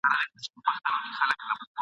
د سوېتزرلېنډ «قانون پوه جوهان جېكب باخو فن»